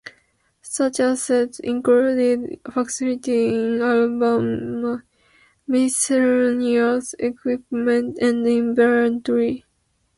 Such assets included facilities in Alabama, miscellaneous equipment and inventory.